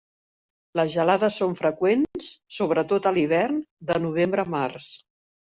Les gelades són freqüents, sobretot a l'hivern, de novembre a març.